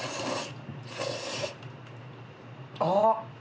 あっ。